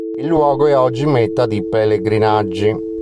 Il luogo è oggi meta di pellegrinaggi.